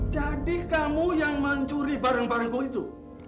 jadi kamu yang mencuri barang barangku itu